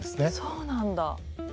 そうなんだ。